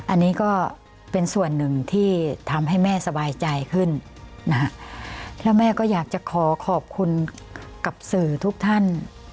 อันนี้ก็เป็นส่วนนึงที่ทำให้แม่สบายใจขึ้นอยากจะขอขอบคุณสิทธุ์ทุกท่าน